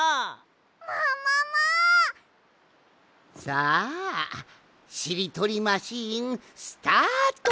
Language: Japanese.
さあしりとりマシーンスタート！